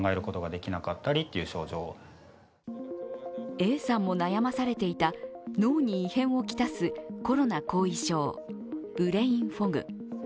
Ａさんも悩まされていた脳に異変を来すコロナ後遺症ブレインフォグ。